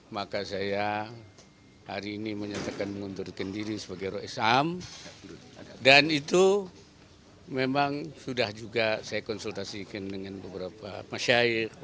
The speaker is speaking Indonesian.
maka saya hari ini menyatakan mengundurkan diri sebagai rois am dan itu memang sudah juga saya konsultasikan dengan beberapa masyair